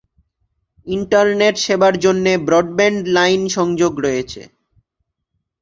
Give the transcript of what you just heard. Internet সেবার জন্যে broadband line সংযোগ রয়েছে।